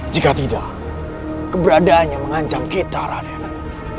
jika tidak keberadaannya mengancam kita radenan